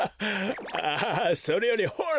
ああそれよりほら！